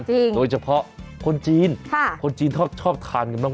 จริงโดยเฉพาะคนจีนคนจีนชอบทานกันมากเลยนะ